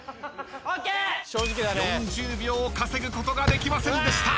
［４０秒を稼ぐことができませんでした］